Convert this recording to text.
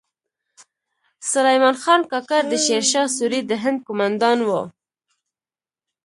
سلیمان خان کاکړ د شیر شاه سوري د هند کومندان و